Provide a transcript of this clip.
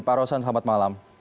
pak rosan selamat malam